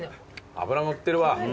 脂のってるわ。